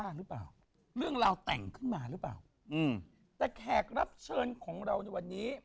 หรือเปล่าเรื่องราวแต่งขึ้นมาหรือเปล่าอืมแต่แขกรับเชิญของเราในวันนี้